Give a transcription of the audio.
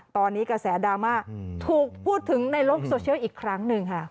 ตอนนี้กระแสดราม่าถูกพูดถึงในโลกโซเชียลอีกครั้งหนึ่งค่ะ